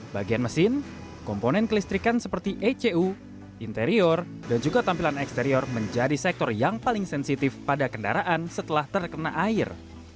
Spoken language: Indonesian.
bagian mesin komponen kelistrikan seperti ecu interior dan juga tampilan eksterior menjadi sektor yang paling sensitif pada kendaraan setelah terkena air